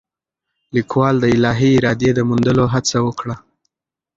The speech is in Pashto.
لیکوال د الهي ارادې د موندلو هڅه وکړه.